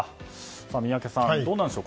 宮家さん、どうなんでしょう